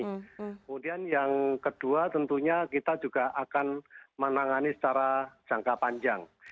kemudian yang kedua tentunya kita juga akan menangani secara jangka panjang